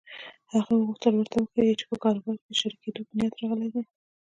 هغه غوښتل ورته وښيي چې په کاروبار کې د شريکېدو په نيت راغلی دی.